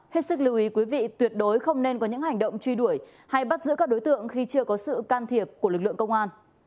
hết sức lưu ý quý vị tuyệt đối không nên có những hành động truy đuổi hay bắt giữ các đối tượng khi chưa có sự can thiệp của lực lượng công an